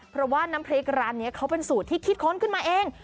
เพราะว่าน้ำพริกร้านนี้เขาเป็นสูตรที่คิดค้นขึ้นมาเอง